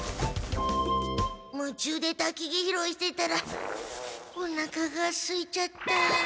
むちゅうでたきぎ拾いしてたらおなかがすいちゃった。